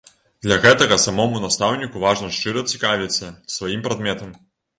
Для гэтага самому настаўніку важна шчыра цікавіцца сваім прадметам.